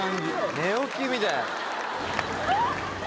寝起きみたい